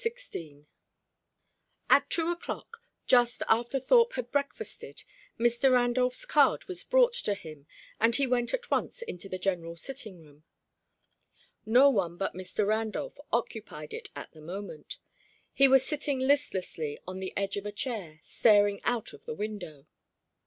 XVI At two o'clock, just after Thorpe had breakfasted, Mr. Randolph's card was brought to him, and he went at once into the general sitting room. No one but Mr. Randolph occupied it at the moment. He was sitting listlessly on the edge of a chair, staring out of the window.